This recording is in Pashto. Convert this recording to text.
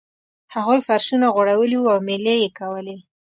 هغوی فرشونه غوړولي وو او میلې یې کولې.